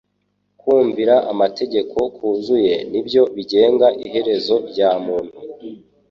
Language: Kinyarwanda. Kumvira amategeko kuzuye ni byo bigenga iherezo rya muntu.